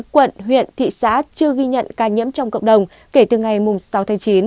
một mươi chín quận huyện thị xã chưa ghi nhận ca nhiễm trong cộng đồng kể từ ngày sáu tháng chín